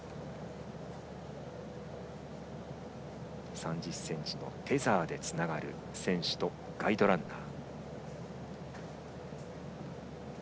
３０ｃｍのテザーでつながる選手とガイドランナー。